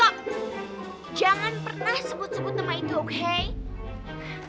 jangan pernah sebut sebut nama itu oke